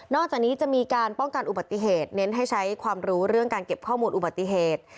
อกจากนี้จะมีการป้องกันอุบัติเหตุเน้นให้ใช้ความรู้เรื่องการเก็บข้อมูลอุบัติเหตุ